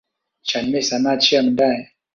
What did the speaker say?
ฉันไม่สามารถเชื่อมันได้.